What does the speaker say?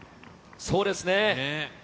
そうですね。